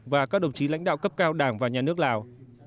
và các đồng chí lãnh đạo cấp cao đảng và nhà nước lào